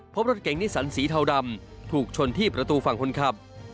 พบรถเก่งนิสันสีเทาดำถูกชนที่ประตูฝั่งคนขับ